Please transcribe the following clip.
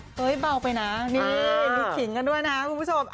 เฮ้ยเบาไปนะนี่มีขิงกันด้วยนะคุณผู้ชม